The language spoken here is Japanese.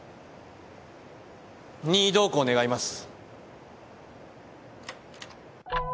任意同行願います。